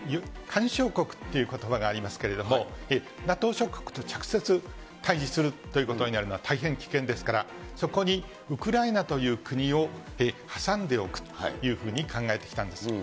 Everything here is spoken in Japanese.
緩衝国ということばがありますけれども、ＮＡＴＯ諸国と直接対じするということになるのは大変危険ですから、そこにウクライナという国を挟んでおくというふうに考えてきたんです。